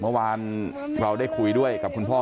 เพื่อนบ้านเจ้าหน้าที่อำรวจกู้ภัย